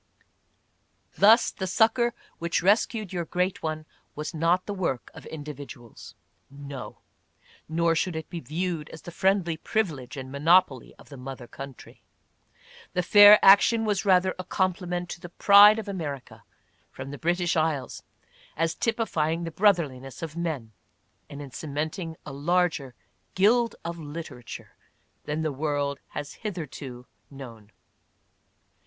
Thus the succor which rescued your great one was not the work of individuals, no !— nor should it be viewed as the friendly privilege and monopoly of the mother country — the fair action was rather a compliment to the pride of America from the British Isles as typifying the brotherliness of men, and in cementing a larger guild of literature than the world has hitherto known.